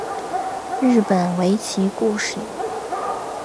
日本围棋故事